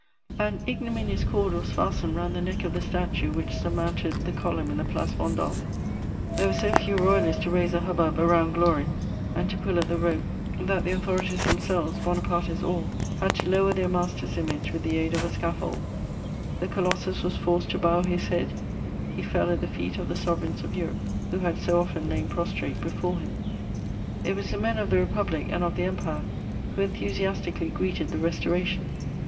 An ignominious cord was fastened round the neck of the statue which surmounted the column in the Place Vendôme; there were so few Royalists to raise a hubbub around glory and to pull at the rope that the authorities themselves, Bonapartists all, had to lower their master's image with the aid of a scaffold; the colossus was forced to bow his head: he fell at the feet of the sovereigns of Europe, who had so often lain prostrate before him. It was the men of the Republic and of the Empire who enthusiastically greeted the Restoration.